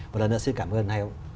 một lần nữa xin cảm ơn hải úng